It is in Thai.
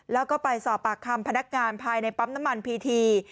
แล้วก็ไปสอบปากคำพนักงานภายในปั๊มน้ำมันพีที